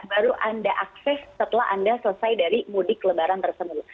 baru anda akses setelah anda selesai dari mudik lebaran tersebut